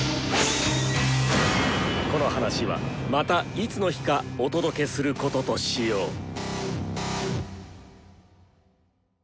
この話はまたいつの日かお届けすることとしよう。